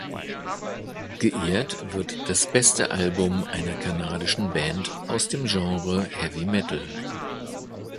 Geehrt wird das beste Album einer kanadischen Band aus dem Genre Heavy Metal.